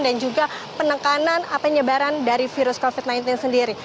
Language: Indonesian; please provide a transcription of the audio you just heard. dan juga penekanan penyebaran dari virus covid sembilan belas sendiri